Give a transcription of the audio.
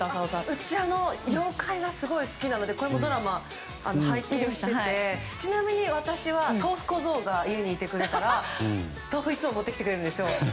うちは妖怪がすごい好きなのでこのドラマも拝見していてちなみに私は豆腐小僧が家にいてくれたら豆腐一丁を持ってきてくれるんですよ。